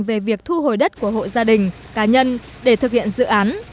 về việc thu hồi đất của hộ gia đình cá nhân để thực hiện dự án